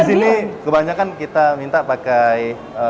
di sini kebanyakan kita minta pakai